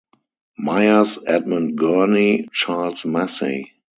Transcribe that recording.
Myers, Edmund Gurney, Charles Massey.